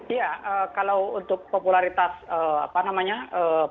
iya kalau untuk popularitas partai memang yang paling tinggi itu adalah pdip